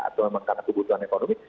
atau memang karena kebutuhan ekonomi